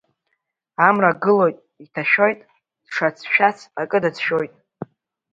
Амра гылоит, иҭашәоит, дшацәшәац акы дацәшәоит.